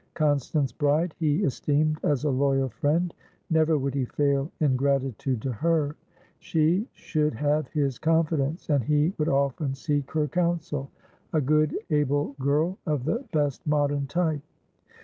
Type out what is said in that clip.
Constance Bride he esteemed as a loyal friend; never would he fail in gratitude to her; she should have his confidence, and he would often seek her counsel; a good, able girl of the best modern type.